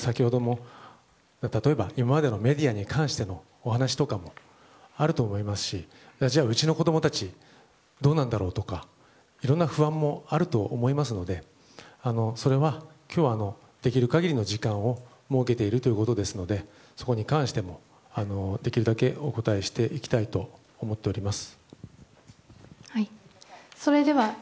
例えば、今までのメディアに関してのお話もあると思いますしうちの子供たちはどうなんだろうとかいろんな不安もあると思いますので今日はできる限りの時間を設けているということですのでそこに関してもできるだけお答えしていきたいと思っております。